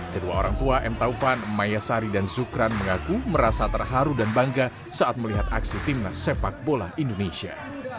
kedua orang tua m taufan maya sari dan zukran mengaku merasa terharu dan bangga saat melihat aksi timnas sepak bola indonesia